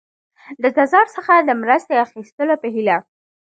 د تزار څخه د مرستې اخیستلو په هیله.